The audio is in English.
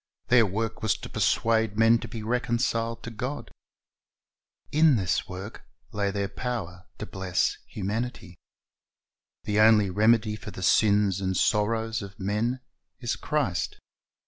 Their work was to persuade men to be reconciled to God. In this work lay their power to bless humanity. The only remedy for the sins and sorrows of men is Christ.